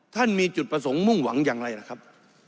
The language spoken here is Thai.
ท่านมีจุดประสงค์มุ่งหวังอย่างไรล่ะครับ